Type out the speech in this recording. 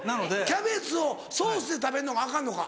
キャベツをソースで食べるのがアカンのか？